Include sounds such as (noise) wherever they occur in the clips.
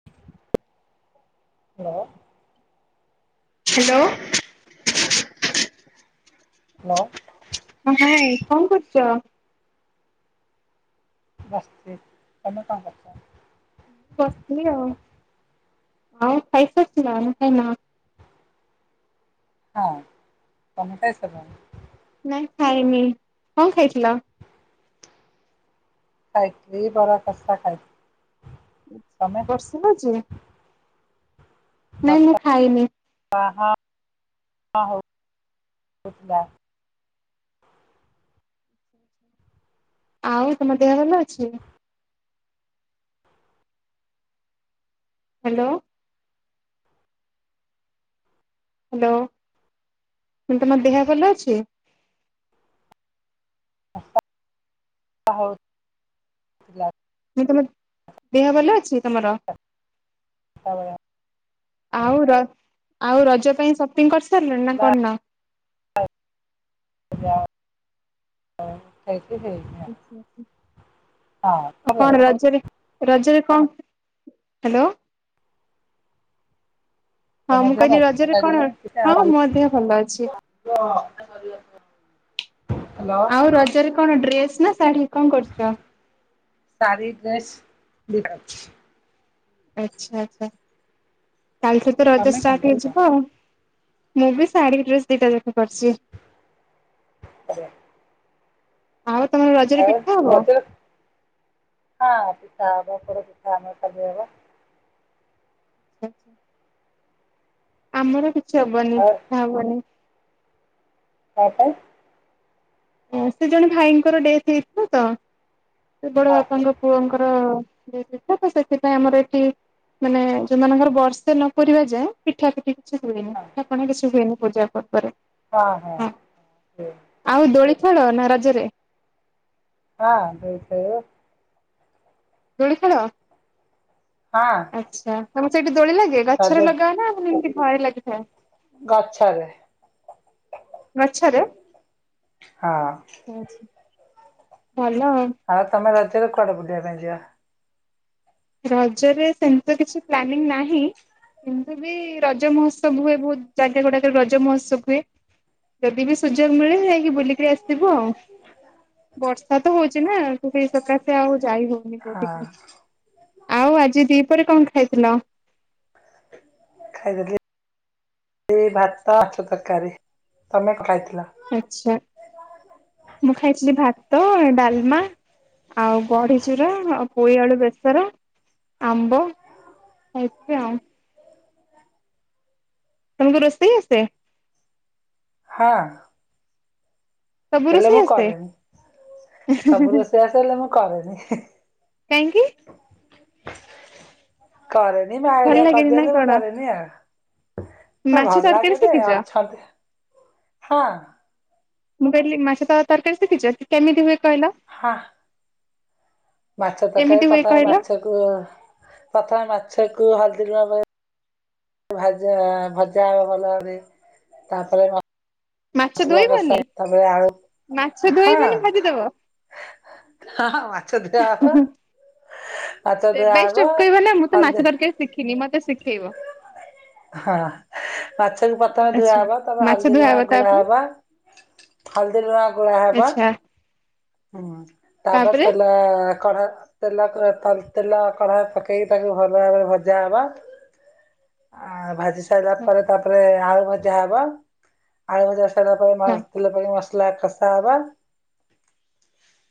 (inaudible) Hello? Hello? Hello? ମୋ ଭାଇଁ କଣ କରୁଚ? ବସ୍ଚି। ତମେ କଣ କରୁଛ? ବସ୍ଥିଲି ଆଉ ଆଉ ଖାଇସାରିଚିଲ ନା ଖାଇନ? ହଁ ତମେ ଟାଇ ସାରିଲଣୀ? ନାଇଁ ଖାଇନି। କଣ ଖାଇଥିଲ? ଖାଇଥିଲି ବରା କଷା ଖାଇଥିଲି। ତମେ ବର୍ଷା ହଉଚି? ନାଇଁ ମୁଁ ଖାଇନି। ଅ ହଁ ହ ହଉ ଉଠିଲା। ଆଉ ତମ ଦେହ ଭଲ ଅଛି? ହାଲୋ। ହାଲୋ। ମୁ କଲି ତମ ଦେହ ଭଲ ଅଛି? (unintelligible) ମୁଁ ତମ୍ ଦେହ ଭଲ ଅଛି ତମର? (unintelligible) ଆଉ ର ଆଉ ରଜ ପାଇଁ ସପିଂ କରିସାରିଲଣି ନା କରିନ? (unintelligible) ଖାଇକି ଶୋଇବି। ଆଉ ଭଲ କଣ ଅଛି ରଜରେ ରଜରେ କଁ? ହାଲୋ। ହଁ ମୁଁ କହିଲି ରଜରେ କଣ ହଁ ମୋ ଦେହ ଭଲ ଅଛି। (unintelligible) ହ୍ୟାଲୋ ଆଉ ରଜରେ କଣ ଡ୍ରେସ୍ ନା ଶାଢୀ କଣ କରୁଚ? ସାଢି ଡ୍ରେସ୍ ଦିଟା ଅଛି। ଆଚ୍ଛା ଆଚ୍ଛା। କାଲି ଠୁ ତ ରଜ ତମେ କଣ ଷ୍ଟାର୍ଟ ହେଇଯିବ କରୁଛ? ଆଉ। ମୁଁ ବି ଶାଢୀ ଡ୍ରେସ୍ ଦିଟା ଯାକ କରିଚି। ଆଜ୍ଞା। ଆଉ ତମେ ରଜ୍ ଆଉ ରଜରେ ପିଠା ପିଠା ହବ ପୋଡପିଠା ହବ ସବୁ ହବ। (unintelligible) ଆମର କିଛି ହବନି ଆଉ ପିଠା ହବନି। କଁ ପାଇଁ? ଆଁ ସେ ଜଣେ ଭାଇଙ୍କର ଡେଥ୍ ହେଇଥିଲା ତ ସେ ବଡ ହଁ ବାପାଙ୍କ ପୁଅଙ୍କର ଡେଥ୍ ହେଇଥିଲା ତ ସେଥିପାଇଁ ଆମର ଏଠି ମାନେ ସେମାନଙ୍କର ବର୍ଷେ ନ ପୁରିବା ଯାଏଁ ପିଠା ପିଠି କିଛି ହୁଏନି ପିଠା ପଣା କିଛି ହୁଏନି ପୂଜା ପର୍ବରେ। ଅହ ହଁ ଏମିତି। ଆଉ ଦୋଳି ଖେଳ ନା ରଜରେ? ହଁ ଦୋଳି ଖେଳେ। ଦୋଳି ଖେଳ? ହଁ। ଆଚ୍ଛା। ତମ ସେଇଠି ଦୋଳି ଲାଗେ ରଜ ଗଛରେ ଲଗାଅ ନାଁ ମାନେ ଏମିତି ଘରେ ଲାଗିଥାଏ? ଗଛରେ। ଗଛରେ? ହଁ। ଉଁ ଭଲ ଆଉ। ଆଉ ତମେ ରଜରେ କୁଆଡେ ବୁଲିବା ପାଇଁ ଯିବ? ରଜରେ ସେମିତି ତ କିଛି ପ୍ଲାନିଂ ନାହିଁ। ଏମିତି ବି ରଜ ମହୋତ୍ସବ ହୁଏ ବହୁତ୍ ଜାଗା ଗୁଡାକରେ ରଜ ମହୋତ୍ସବ ହୁଏ। ଯଦି ବି ସୁଯୋଗ ମିଳେ ଯାଇକି ବୁଲିକି ଆସିବୁ ଆଉ। ବର୍ଷା ତ ହଉଚି ନା ତ ସେଇ ସକାଶେ ଆଉ ଯାଇ ହଉନି। ହଁ। ହଉ ଆଜି ଦିପରେ କଁ ଖାଇଥିଲ? ଖାଇଦେଇଥିଲି ଏଇ ଭାତ ମାଛ ତରକାରୀ, ତମେ କଣ ଖାଇଥିଲ? ଆଚ୍ଛା। ମୁଁ ଖାଇଛିଲି ଭାତ, ଡ଼ାଲମା ଆଉ ବଡିଚୁରା ଅ ପୋଇଆଳୁ ବେସର, ଆମ୍ବ ଖାଇଛି ଆଉ। ତମକୁ ରୋଷେଇ ଆସେ? ହଁ। ସବୁ ହେଲେ ରୋଷେଇ ମୁଁ ଆସେ? କରେନି ଇ ହି ସବୁ ହି ହି ରୋଷେଇବାସ ହେଲେ ମୁଁ କରେନି କାଇଁକି? କରେନି ଭଲ ଭାଇରିଆ ଲାଗେନି ନା କରିଦିଅନ୍ତି ମୁଁ କଣ କରେନି ଆଉ। ଏ ମାଛ ଭଲ୍ ତରକାରୀ ଲାଗେ ଯେ ଶିଖିଛ? ଅଛନ୍ତି, ହଁ ମୁଁ କହିଲି ମାଛ ତ ତର୍କାରୀ ଶିଖିଚ କେମିତି ହୁଏ କହିଲ? ହଁ ମାଛ ତକାରୀ କେମିତି ହୁଏ ପ୍ରଥମେ କହିଲ ମାଛକୁ ପ୍ରଥମେ ମାଛକୁ ହଲ୍ଦୀ ଲୁଣ ଗୋଳେଇ ଭାଜା ଭଜା ହବ ଭଲରେ ତାପରେ ମ ମାଛ ମସଲା କସା ଧୋଇବନି ତାପରେ ଆଳୁ, ମାଛ ହଁ ଧୋଇବନି ଭାଜିଦବ ହଁ ହଁ ମାଛ ଧୁଆଁହେବ। ଷ୍ଟେପ୍ ବାଇ ଷ୍ଟେପ୍ କହିବ ନା ମୁଁ ତ ହଳଦୀ ମାଛ ତରକାରି ଶିଖିନି ମତେ ଶିଖେଇବ। ହଁ ମାଛକୁ ପ୍ରଥମେ ଆଚ୍ଛା ଧୂଆଁହବ ତାପରେ ମାଛ ହଳଦୀ ଧୁଆ ଗୁଣ ହବ ଗୋଳା ତାପରେ ହବ ହଳଦୀ ଲୁଣ ଗୋଳା ହବ ଆଚ୍ଛା ହୁଁ ତାପରେ ତେଲ କଢା ତେଲ କ ତ ତେଲ କଢା ପକେଇକି ତାକୁ ଭଲ ଭାବରେ ଭଜା ହବ ଆଁ ଭାଜି ସା ସାଇଲା ପରେ ତାପରେ ଆଳୁ ଭଜା ହବ, ଆଳୁ ଭଜା ସଇଲା ପରେ ମ ଆଚ୍ଛା ତେଲ ପକେଇ ମ ଲା ଖସାହବା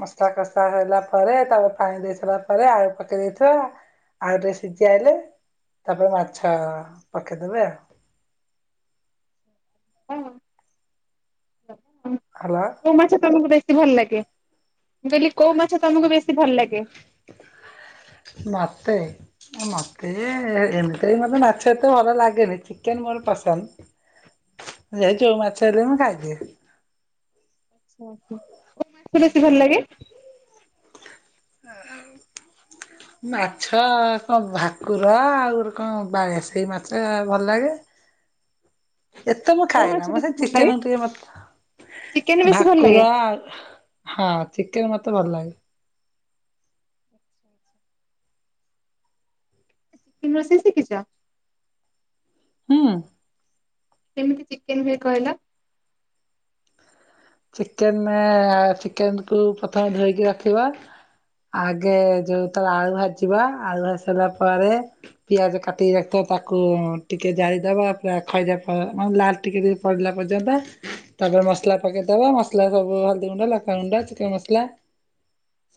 ମସଲା କଷା ହେଲା ପରେ ତାକୁ ପାଣି ଦେଇ ସାଲା ପରେ ଆଳୁ ପକେଇ ଦେଇଥିବା ଆଳୁ ଟିକେ ସିଝି ଆଇଲେ ତାପରେ ମାଛ ପକେଇଦବେ ଆଉ। (unintelligible) ହାଲୋ। କୋଉ ମାଛ ତମକୁ ବେଶୀ ଭଲ ଲାଗେ? ମୁଁ କହିଲି କୋଉ ମାଛ ତମକୁ ବେଶୀ ଭଲ ଲାଗେ? ମତେ ମତେ ଏମିତିରେ ବି ମତେ ମାଛ ଏତେ ଭଲ ଲାଗେନି ଚିକେନ୍ ମୋର ପସନ୍ଦ। ଯେ ଯୋଉ ମାଛ ହେଲେ ମୁଁ ଖାଇ ଦିଏ। ଉୁଁ ହୁଁ କୋଉ ମାଛ ବେଶୀ ଭଲ ଲାଗେ? ମାଛ କଣ ଭାକୁର ଆଉ କଣ ବାଳିଆ ସେଇ ମାଛ ଭଲ ଲାଗେ। (inaudible) ଏତେ ମୁଁ କୋଉ ଖାଏନା ମାଛ ମୁଁ ସେ ବେଶୀ ଭଲ ଲାଗେ ଚିକେନ୍ ଟିକେ ଚିକେନ ମତ ବେଶୀ ଭଲ ଲାଗେ ଭାକୁର ଆ ହଁ ଚିକେନ୍ ମତେ ଭଲ ଲାଗେ। ଆଚ୍ଛା। ତମେ ରୋଷେଇ ଶିଖିଛ? ହୁଁ। କେମିତି ଚିକେନ୍ ହୁଏ କହିଲ? ଚିକେନ୍ ଆ ଚିକେନ୍ କୁୁ ପ୍ରଥମେ ଧୋଇକି ରଖିବ ଆଗେ ଯୋଉ ତଳେ ଆଳୁ ଭାଜିବ ଆଳୁ ଭାଜି ସାରିଲା ପରେ ପିଆଜ କାଟିକି ରଖିଥିବା ତାକୁ ଟିକେ ଜାଳିଦବ ପୁରା ଖାଇଆ ଫଳ ମାନେ ଲାଲ୍ ଟିକେ ଟିକେ ପଡିଲା ପର୍ଯ୍ୟନ୍ତ ତାପରେ ମସଲା ପକେଇଦବ ମସଲା ସବୁ ହଳଦୀ ଗୁଣ୍ଡ ଲଙ୍କାଗୁଣ୍ଡ ଚିକେନ ମସଲା।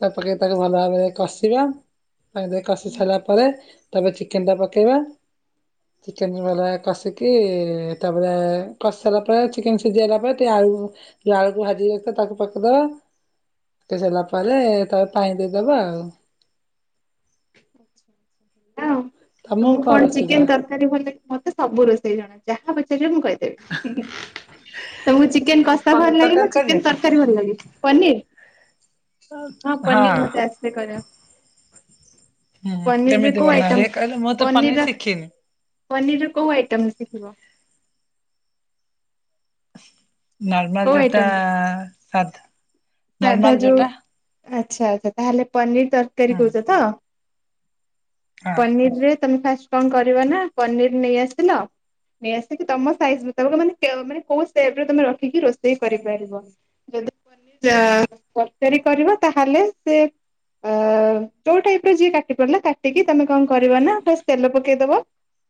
ତାପରେ ତାକୁ ଭଲ ଭାବରେ କଷିବ। ସଙ୍ଗେ କଷି ସାରିଲା ପରେ ତା ପରେ ଚିକେନ ଟା ପକେଇବା। ଚିକେନ ଭଲଭାବରେ କଷିକି ତାପରେ କଷି ସାରିଲା ପରେ ଚିକେନ ସିଝିଆଇଲା ପରେ ଟିକେ ଆଳୁ। ଟିକିଏ ଆଳକୁ ଭାଜି ରଖି ତାକୁ ପକେଇଦବା। ପକେଇ ସାରିଲା ପରେ ତ ପାଣି ଦେଇଦବା ଆଉ। ତମକୁ ମୁଁ କଣ ରୋଷେଇ ଜଣା? ଚିକେନ ତର ଭାରି ଭଲ ଲାଗେ ମତେ ସବୁ ରୋଷେଇ ଜଣା ଯାହା ପଚାରିବେ ମୁଁ କହିଦେବି। ତମକୁ ଚିକେନ କଷା ପନିର ଭଲ ଲାଗେ ନା ତରକାରୀ କରି ଚିକେନ ଆସେ? ତରକାରୀ ଭଲ ଲାଗେ ପନିର। ହଁ ପନିର୍ ମତେ ଆସେ କରିବା। ହୁଁ ହୁଁ କେମିତି କୋଉ ବନା ଆଇଟମ ହୁଏ କହିଲ ମୁଁ ତ ପନିର ପନିରି ଶିଖିନି। ପନିର ର କୋଉ ଆଇଟମ୍ ଶିଖିବ। ନର୍ମାଲ କୋଉ ଯୋଉଟା ଆଇଟମ ଟା ସାଧା। ସାଧା ନର୍ମାଲ ଯୋଉ ଯୋଉଟା ଆଚ୍ଛା ଆଚ୍ଛା ତାହେଲେ ପନିର ତରକାରୀ ହୁଁ କହୁଛ ତ। ହଁ ପନିରିରେ ତମେ ଫାଷ୍ଟ କଣ କରିବ ନା ପନିରି ନେଇ ଆସିଲ। ନେଇ ଆସିକି ତମ ସାଇଜ୍ ମୁତାବକ ମାନେ ମାନେ କୋଉ ଷ୍ଟେପ୍ ରେ ତମେ ରଖିକି ରୋଷେଇ କରିପାରିବ। ଯଦି। (unintelligible) (inaudible) ଚା ପଚାରି କରିବ ତାହେଲେ ସେ ଅ ଅ ଅ ଯୋଉ ଟାଇପ୍‌ର ଯିଏ କାଟି ପରିଲା କାଟିକି ତମେ କଣ କରିବ ନା ଫାଷ୍ଟେ ତେଲ ପକେଇଦବ।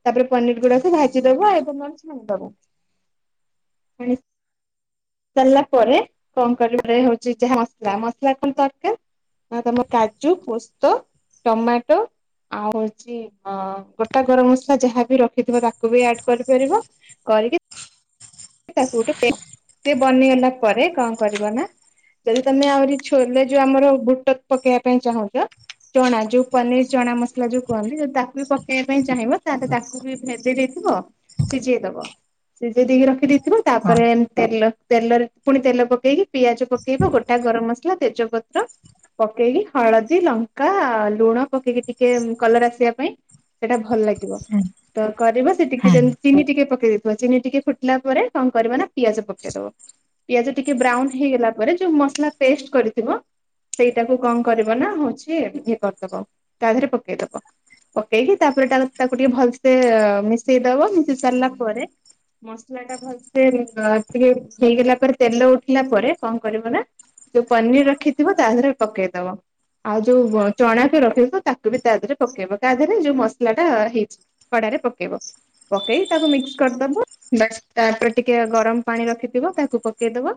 ତାପରେ ପନିର ଗୁଡାକୁ ଭାଜି ଦବ ଆଇଦର୍ ନହେଲେ ଛାଣିଦବ। ସରିଲା ପରେ କଣ କରିବାରେ ହଉଛି ଯାହା ମସଲା ମସଲା କଣ ଦରକାର। ଆ ତମ କାଜୁ ପୁସ୍ତ ଟମାଟୋ। ଆଉ ହେଉଛି ଗୋଟା ଗରମ ମସଲା ଯାହା ବି ରଖିଥିବ ତାକୁ ବି ଆଡ କରିପାରିବ। କରିକି। ତାକୁ ଗୋଟେ ପେ ସେ ବନିଗଲା ପରେ କଣ କରିବ ନା। ଯଦି ତମେ ଆହୁରି ଛୋଲେ ଯୋଉ ଆମର ବୁଟ ପକେଇବା ପାଇଁ ଚାହୁଁଛ। ଚଣା ଯୋଉ ପନିର ଚଣା ମସଲା ଯୋଉ କୁହନ୍ତି ଯଉ ତାକୁ ବି ପକେଇବା ପାଇଁ ଚାହିଁବ ତାହେଲେ ତାକୁ। ମୁଁ ବି ଭେଦେଇ ଦେଇଥିବ ସିଝେଇ ଦବ ସିଝେଇ ଦେଇକି ରଖ ପକେଇ ଦେଇଥିବ ହଁ ତାପରେ ତେଲ ତେଲରେ ପୁଣି ତେଲ ପକେଇକି ପିଆଜ ପକେଇବ ଗୋଟା ଗରମ ମସ୍‌ ସଲା ତେଜପତ୍ର। ପକେଇକି ହଳଦୀ ଲଙ୍କା ଆ ଲୁଣ ପକେଇକି ଟିକେ କଲର ଆସିବା ପାଇଁ। ସେଟା ଭଲ ଲାଗିବ ହୁଁ ତ କରିବ ସେ ଟିକେ ହୁଁ। ଯେମିତି ଚିନି ଟିକେ ପକେଇ ଦେଇେଇଥିବ ଚିନି ଟିକେ ଫୁଟ୍ ଫୁଟିଲା ପରେ କଣ କରିବା ନା ପିଆଜ ପକେଇଦବ। ପିଆଜ ଟିକେ ବ୍ରାଉନ ହେଇଗଲା ପରେ ଯୋଉ ମସଲା ପେଷ୍ଟ କରିଥିବ। ସେଇଟାକୁ କଣ କରିବ ନା ହଉଛି ଇଏ କରିଦବ ତା ଦେହରେ ପକେଇଦବ। ପକେଇକି ତାପରେ ତା ତାକୁ ଟିକେ ଭଲସେ ମିଶେଇ ଦବ ମିଶେଇ ସାରିଲା ପରେ। ମସଲା ଟା ଭଲସେ ଟିକେ ହେଇଗଲା ପରେ ତେଲ ଉଠିଲା ପରେ କଣ କରିବ ନା। ଯୋଉ ପନିର ରଖିଥିବ ତା ଦେହରେ ପକେଇଦବା। ଆଉ ଯୋଉ ଚଣାକୁ ରଖିଥିବ ତାକୁ ବି ତା ଦେହରେ ପକେଇବ ତା ଦେହରେ ଯୋଉ ମସଲା ଟା ହେଇଛି। କଡାରେ ପକେଇବ ପକେଇ ତାକୁ ମିକ୍ସ କରିଦବ। ବାସ୍ ତାପରେ ଟିକେ ଗରମ ପାଣି ରଖିଥିବ ତାକୁ ପକେଇଦବା।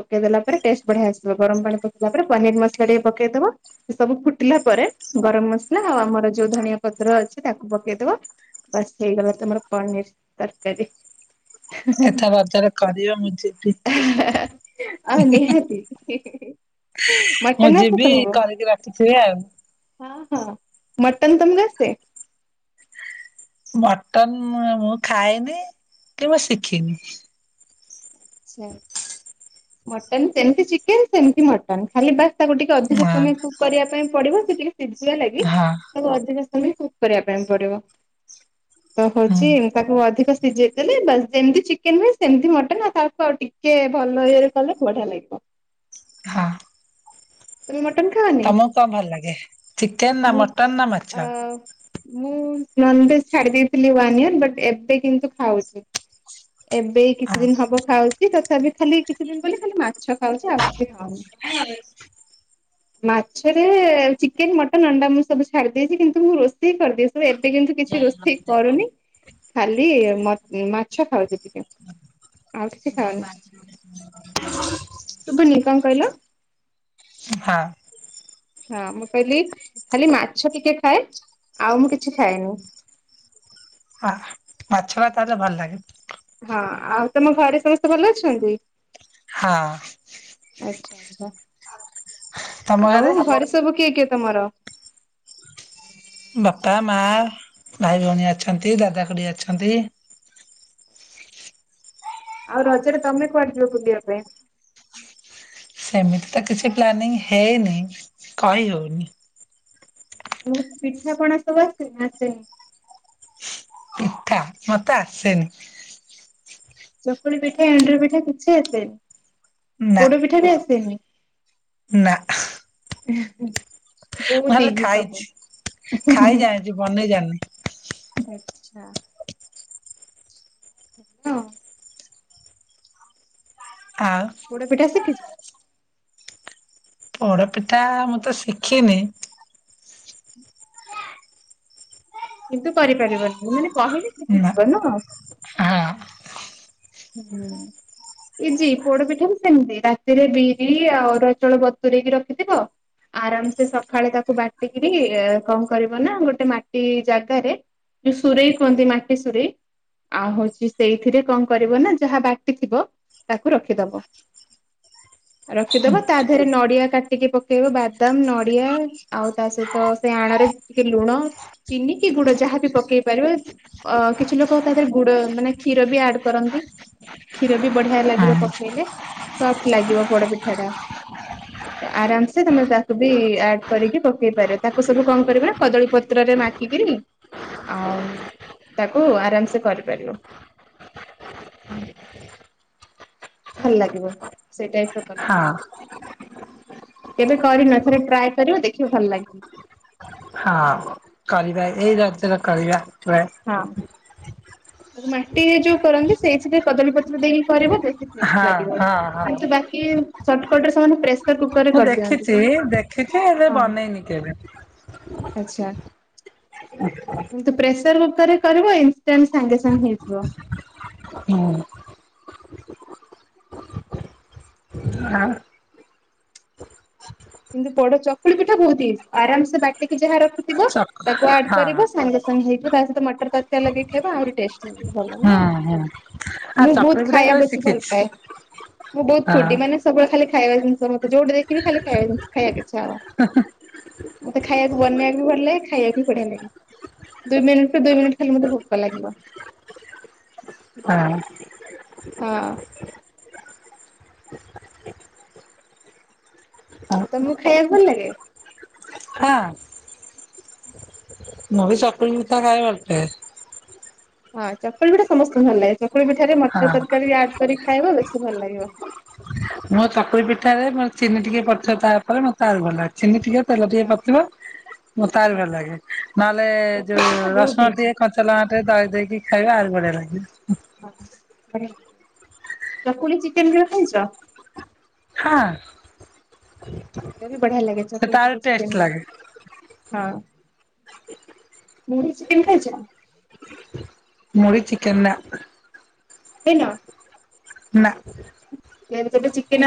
ପକେଇଦେଲା ପରେ ଟେଷ୍ଟ ବଢିଆ ଆସିବ ଗରମ ପାଣି ପକେଇଲା ପରେ ପନିର ମସଲା ଟିକେ ପକେଇଦବ। ସବୁ ଫୁଟିଲା ପରେ ଗରମ ମସଲା ଆଉ ଆମର ଯୋଉ ଧଣିଆ ପତ୍ର ଅଛି ତାକୁ ପକେଇଦବା। ବାସ୍ ହେଇଗଲା ତମର ପନୀର୍ ତରକାରୀ। ଏଥର ରଜରେ କରିବ ମୁଁ ଯିବି ହଁ ନିହାତି। ମୁଁ ଯିବି କରିକି ରଖିଥିବେ ଆଉ। ହଁ ହଁ ମଟନ ତମକୁ ଆସେ? ମଟନ ମୁଁ ଖାଏନେଇଁ କି ମୁ ଶିଖିନି। ଆଛା ଆଛା ମଟନ୍ ସେମିତି ଚିକେନ ସେମିତି ମଟ ଟନ ଖାଲି ବାସ୍ ତାକୁ ଟିକେ ଅଧିକ ହଁ ସମୟ କୁ କ କରିବା ପାଇଁ ପଡିବ। ସେ ଟିକେ ସିଝିବା ଲାଗି ହଁ ତାକୁ ଅଧିକ ସମୟେ କୁକ୍ କରିବା ପାଇଁ ପଡିବ। ତ ହୁଁ ହୋଉଚି ତାକୁ ଅଧିକ ସିଜେଇ ଦେଲେ ବାସ ଯେମତି ଚିକେନ ହୁଏ ସେମତି ମଟନ୍ ଆଉ। ତା ଆଉ ଟିକେ ଭଲ ଇରେ କଲେ ବଢିଆ ଲାଗିବ। ହଁ ତମେ ମଟନ ଖାଅନି? ତମକୁ କଣ ଭଲ ଲାଗେ? ଚିକେନ ନା ମୁ ଚା ମଟନ ନା ମାଛ ଆ ମୁଁ ନନଭେଜ ଛାଡି ଦେଇଥିଲି ୱାନ ଇଅର ବଟ ଏବେ କିନ୍ତୁ ଖାଉଚି। ଉସୀ କୁଇ। ଏବେ କିଛି ଦିନ ହବ ଖାଉଚି। ତଥାପି ଖାଲି କିଛି ଦିନ ବୋଲି ଖାଲି ମାଛ ଖାଉଚି ଆଉ କିଛି ଖାଉନି। ମାଛରେ ଚିକେନ, ମଟନ, ଅଣ୍ଡା ମୁଁ ସବୁ ଛାଡି ଦେଇେଇଚି। କିନ୍ତୁ ମୁଁ ରୋଷେଇ କରଦିଏ। ସବୁ ଏତେ କିନ୍ତୁ କିଛି ରୋଷ ସେ କରୁନି। ଖାଲି ମଟ ମାଛ ଖାଉଚି ଟିକେ ଆଉ କିଛି ଖାଉନି। ସୁବୁନି କଣ କଇଲ? ହାଁ। ହଁ ମୁଁ କଇଲି ଖାଲି ମାଛ ଟିକେ ଖାଏ ଆଉ ମୁଁ କିଛି ଖାଏନେଇଁ। ହ ମାଛଭାତରା ଭଲ ଲାଗେ। ହଁ ଆଉ ତମ ଘରେ ସମସ୍ତେ ଭଲ ଅଛନ୍ତି? ହାଁ। ଆଛା ଆଛା ଆଉ ଘରେ ସବୁ କିଏ କିଏ ତମର? ବାପା, ମା, ଭାଇ, ଭଉଣୀ ଅଛନ୍ତି ଦାଦା, ଖୁଡି ଅଛନ୍ତି। ଆଉ ରଜରେ ତମେ କୁଆଡେ ଯିବ ବୁଲିବା ପାଇଁ? ସେମିତି ତ କିଛି ପ୍ଲାନିଂ ହେଇନି। କହି ହୋଉନି? ମୁ ପିଠାପଣା ସବୁ ଆସଚି ନା ଆସେନି? ପିଠା ମତେ ଆସେନି? ଚକୁଳି ପିଠା, ଏଣ୍ଡୁର ପିଠା କିଛି ଆସେନି। ପୋଡ ପିଠା ବି ଆସେନି? ନାଆଁ। ହେ ଏଁ ବହୁତ ଇଜି ସବୁ। ଆଜି ବନେଇ ଜାଣିନୁ। ଆଚ୍ଛା। ହଁ। ଆଉ ପୋଡ଼ ପିଠା ଶିକିଚ? ପୋଡପିଠା ମୁଁ ତ ଶିଖିନି। କିନ୍ତୁ କରିପାରିବନି ମାନେ କହିଲେ ନା ଶିଖିଯିବ ନୁହଁ? ହଁ ହୁଁ। ଇଜି ପୋଡ ପିଠା ବି ସେମିତି। ରାତିରେ ବିରି ଆଉ ଅରୁଆ ଚଉଳ ବତୁରଇକି ରଖିଥିବ। ଆରାମ ସେ ସଖାଳେ ତାକୁ ବାଟିକିରି କଣ କରିବ ନା ଗୋଟେ ମାଟି ଜାଗାରେ ଯୋଉ ସୁରେଇ କୁହନ୍ତି ମାଟି ସୁରେଇ। ଆଉ ହୋଉଚି ସେଇଥିରେ କଣ କରିବ ନା ଯାହା ବାଟିଥିବ ତାକୁ ରଖିଦବ। ଏଇ। ରଖିଦବ ତା ଦେହରେ ନଡିଆ କାଟିକି ପକେଇବ ବାଦାମ ନଡିଆ ଆଉ ତା ସହିତ ସେ ଆଣରେ ଟିକେ ଲୁଣ ଚିନି କି ଗୁଡ ଯାହା ବି ପକେଇ ପାରିବ। ଅ କିଛି ଲୋକ ତା ଦେହରେ ଗୁଡ ମାନେ କ୍ଷୀର ବି ଆଡ କରନ୍ତି। କ୍ଷୀର ବି ବଢ଼ିଆ ହଁ ଲାଗିବ ପକେଇଲେ ସଫ୍ଟ ଲାଗିବ ପୋଡ଼ ପିଠା ଟା। (inaudible) ଆରାମ ସେ ତମେ ତାକୁ ବି ଆଡ କରିକି ପକେଇ ପାରିବ ତାକୁ ସବୁ କଣ କରିବ ନା କଦଳୀ ପତ୍ରରେ ମା (unintelligible) ଆଉ ତାକୁ ଆରାମସେ କରିପାରିବ। ହଁ। ଭଲ ଲାଗିବ ସେଇ ଟାଇପ ର କଲ୍ ହଁ। କେବେ କରିନ ଥରେ ଟ୍ରାଏ କରିବ ଦେଖିବ ଭଲ ଲାଗିବ। ହଁ। କରିବା ଏଇ ରଜରେ କରିବା ଟ୍ରାଏ। ହଁ (unintelligible) ମାଟିରେ ଯୋଉ କରନ୍ତି ସେଇଥିରେ କଦଳୀପତ୍ର ଦେଇକି କରିବ ବେଶ୍ (unintelligible) ହଁ ଟେଷ୍ଟ ଲାଗିବ ହଁ ହଁ କିନ୍ତୁ ବାକି ସର୍ଟକର୍ଟରେ ସେମାନେ ପ୍ରେସ୍ ମୁଁ ଦେଖିଛି ଦେଖିଛି ହେଲେ ହଁ ବନେଇନି କେବେ। ଆଚ୍ଛା। ହ କିନ୍ତୁ ପ୍ରେସର କୁକର ରେ କରିବ ଇନସ୍ଟାଣ୍ଟ ସାଙ୍ଗେ ସାଙ୍ଗେ ହେଇଯିବ। ହୁଁ। ଆଉ କିନ୍ତୁ ବଡ଼ ଚକୁଳି ପିଠା ବୋହୁତ ଇଜି ଆରାମସେ ବାଟିକି ଯାହା ରଖିଥିବ ଚକ ତାକୁ ଆଡ ହଁ କରିବ ସାଙ୍ଗେ ସାଙ୍ଗ ହେଇଥିବ ତା ସହିତ ମଟର ତରକାରୀ ଲଗେଇକି ଖାଇବ ଆହୁରି ଟେଷ୍ଟ। (unintelligible) ଭଲ ନୁଅଁ ହୁଁ ହୁଁ ଆଉ ମୁଁ ଚକୁଳି ବୋହୁତ ପିଠା କରି ଖାଇବାକୁ ବେଶି ଭଲ ଶିଖିଛି ପାଏ। ମୁଁ ବୋହୁତ ଫୁଡି ହଁ ମାନେ ସବୁବେଳେ ଖାଲି ଖାଇବା ଜିନିଷ ମତେ ଯୋଉଠି ଦେଖିବି ଖାଲି ଖାଇବି ଖାଇବାକୁ ଇଛା ହେବ। ହଃ ହଃ। ମତେ ଖାଇବାକୁ ବନେଇବାକୁ ଭଲ ଲାଗେ ଖାଇବାକୁ ବି ବଢ଼ିଆ ଲାଗେ। ଦୁଇ ମିନିଟ ରୁ ଦୁ ମିନିଟ୍ ଖାଲି ମତେ ଭୋକ ଲାଗିବ। ହାଁ। ହଁ। ଆଉ ତମକୁ ଖାଇବାକୁ ଭଲ ଲାଗେ? ହଁ। ମୁଁ ବି ଚକୁଳି ପିଠା ଖାଏ ଭଲ ପାଏ। ହଁ ଚକୁଳି ପିଠା ସମସ୍ତଙ୍କୁ ଭଲ ଲାଗେ ଚକୁଳି ପିଠାରେ ହଁ ମଟର ତରକାରୀ ଆଡ କରି ଖାଇବ ବେଶୀ ଭଲ ଲାଗିବ। ମୋ ଚକୁଳି ପିଠାରେ ମୋର ଚିନି ଟିକେ ପଡ଼ିଥିବ ତା ଉପରେ ମତେ ଆହୁରି ଭଲ ଲାଗେ ଚିନି ଟିକେ ତେଲ ଟିକେ ହଁ ପଡ଼ିଥିବ ମତେ ଆଉରି ହଁ ଭଲ ଲାଗେ ନହେଲେ ଚକୁଳି ଯୋଉ ପିଠା ବହୁତ ରସୁଣ ଇଜି। ଟିକେ କଞ୍ଚା ଚା ଲଙ୍କା ଟିକେ ଦଳିଦେଇକି ଖାଇବ ଆହୁରି ବଢ଼ିଆ ଲାଗିବ। ଚକୁଲି ଚିକେନ କେବେ ଖାଇଛ? ହଁ। ସେଇଟା ବି ବଢ଼ିଆ ଲାଗେ। ସେ ଚକୁଳି ତ ସହିତ ଆହୁରି ଚିକେନ ଟେଷ୍ଟ ରେ। ଲାଗେ। ହଁ ମୁଢ଼ି ଚିକେନ ଖାଇଛ? ମୁଡ଼ି ଚିକେନ୍ ନା। ଖାଇନ? ନା। କେମିତି (unintelligible) ଚିକେନ